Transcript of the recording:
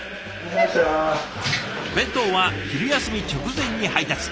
弁当は昼休み直前に配達。